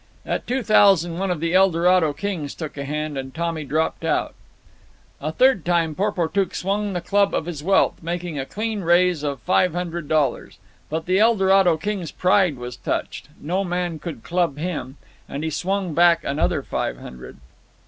At two thousand one of the Eldorado kings took a hand, and Tommy dropped out. A third time Porportuk swung the club of his wealth, making a clean raise of five hundred dollars. But the Eldorado king's pride was touched. No man could club him. And he swung back another five hundred.